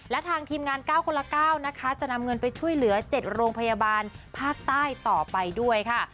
และทางทีมงาน๙คนละ๙นะคะจะนำเงินไปช่วยเหลือ๗โรงพยาบาลภาคใต้ต่อไปด้วยค่ะ